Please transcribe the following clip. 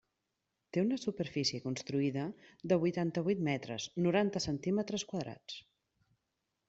Té una superfície construïda de huitanta-huit metres, noranta decímetres quadrats.